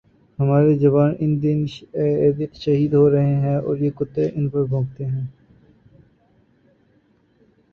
ہمارے جوان اے دن شہید ہو رہے ہیں اور یہ کتے ان پر بھونکتے ہیں